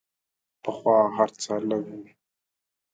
پخوا هر څه لږ وو.